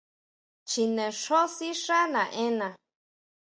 Chinexjó sixá naʼenna.